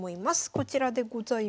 こちらでございます。